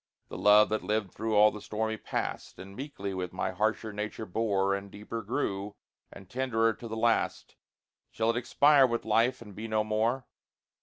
The love that lived through all the stormy past, And meekly with my harsher nature bore, And deeper grew, and tenderer to the last, Shall it expire with life, and be no more?